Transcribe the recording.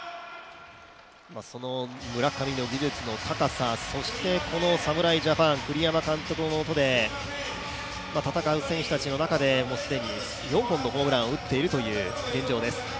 村上の技術の高さ、そしてこの侍ジャパン、栗山監督のもとで戦う選手たちの中で既に４本のホームランを打っている現状です。